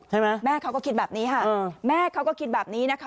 แม่เขาก็คิดแบบนี้ค่ะแม่เขาก็คิดแบบนี้นะคะ